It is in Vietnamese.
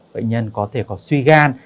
bệnh nhân có thể có suy gan